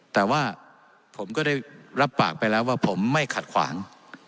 แต่ว่าผมก็ได้รับปากไปแล้วว่าผมไม่ขัดขวาง